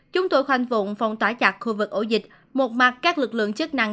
chúng tôi khoanh vụng phong tỏa chặt khu vực ổ dịch một mặt các lực lượng chức năng